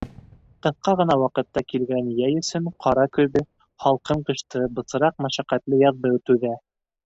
Ҡыҫка ғына ваҡытҡа килгән йәй өсөн ҡара көҙҙө, һалҡын ҡышты, бысраҡ, мәшәҡәтле яҙҙы түҙә.